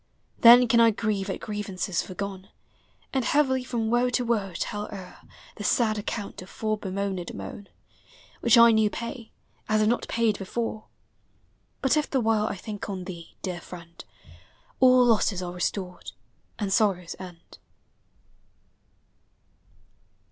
Then can I grieve at grievances foregone, And heavily from woe to woe tell o'er The sad account of fore bemoaned moan, Which I new pay, as if not paid before; But if the while I think on thee, dear friend, All losses are restored, and sorrows end.